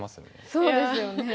そうですよね。